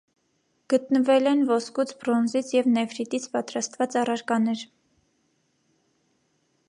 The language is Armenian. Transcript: (գտնվել են ոսկուց, բրոնզից և նեֆրիտից պատրաստաված առարկաներ)։